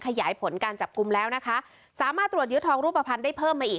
ขยายผลการจับกลุ่มแล้วนะคะสามารถตรวจยึดทองรูปภัณฑ์ได้เพิ่มมาอีก